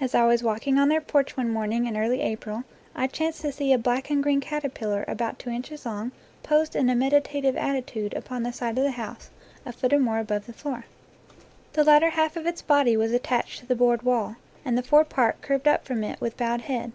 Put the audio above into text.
As I was walking on their porch one morning in early October I chanced to see a black and green caterpillar about two inches long posed in a meditative attitude upon the side 18 NATURE LORE of the house a foot or more above the floor. The lat ter half of its body was attached to the board wall, and the fore part curved up from it with bowed head.